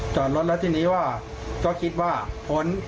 จอดรถแล้วทีนี้ว่าก็คิดว่าพ้น